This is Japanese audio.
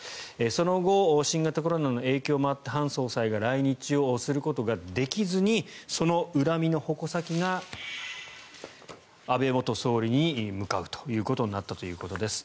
その後新型コロナの影響もあってハン総裁が来日することができずにその恨みの矛先が安倍元総理に向かうということになったということです。